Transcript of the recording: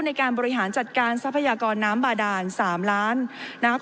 ในการบริหารจัดการทรัพยากรน้ำบาดาน๓ล้านนะครับ